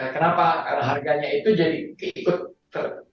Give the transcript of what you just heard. kenapa karena harganya itu jadi ikut ter